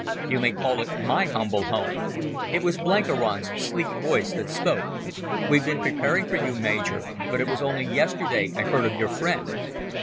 "You may call it my humble home"—it was Blenkiron's sleek voice that spoke. "We've been preparing for you, Major, but it was only yesterday I heard of your friend."